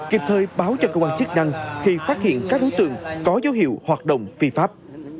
kịp thời báo cho cơ quan chức năng khi phát hiện các đối tượng có dấu hiệu hoạt động phi pháp